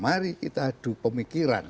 mari kita adu pemikiran